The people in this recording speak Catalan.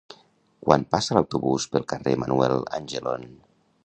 Quan passa l'autobús pel carrer Manuel Angelon?